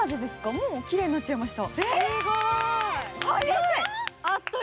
もうきれいになっちゃいました。